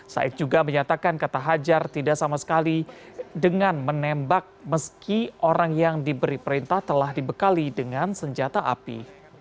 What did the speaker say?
said juga menyatakan kata hajar tidak sama sekali dengan menembak meski orang yang diberi perintah telah dibekali dengan senjata api